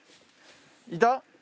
いた？